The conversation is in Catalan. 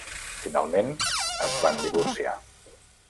Finalment es van divorciar.